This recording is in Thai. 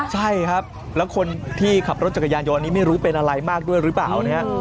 ใช่ครับแล้วคนที่ขับรถจักรยานยนต์นี้ไม่รู้เป็นอะไรมากด้วยหรือเปล่านะฮะ